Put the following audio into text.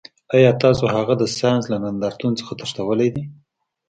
ایا تاسو هغه د ساینس له نندارتون څخه تښتولی دی